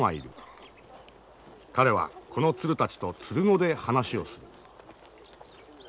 彼はこの鶴たちと鶴語で話をする。